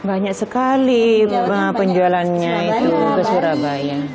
banyak sekali penjualannya itu ke surabaya